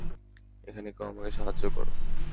এখানে কেউ আমাকে সাহায্য করো!